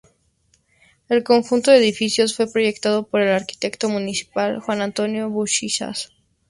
El conjunto de edificios fue proyectado por el Arquitecto Municipal Juan Antonio Buschiazzo.